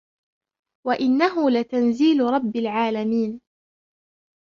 وَإِنَّهُ لَتَنْزِيلُ رَبِّ الْعَالَمِينَ